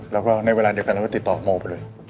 แล้วก็ในเวลาเดียวกันเราก็ติดต่อโมไปเลย